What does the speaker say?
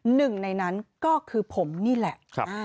หนึ่งในนั้นก็คือผมนี่แหละ